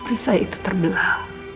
perisai itu terbelah